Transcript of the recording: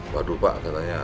waduh pak katanya